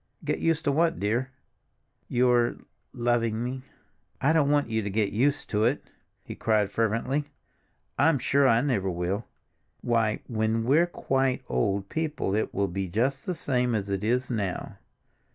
"Get used to what, dear?" "Your—loving me." "I don't want you to get used to it!" he cried fervently. "I'm sure I never shall. Why, when we're quite old people it will be just the same as it is now.